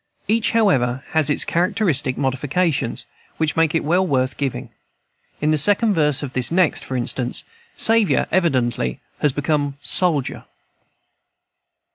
Each, however, has its characteristic modifications, which make it well worth giving. In the second verse of this next, for instance, "Saviour" evidently has become "soldier."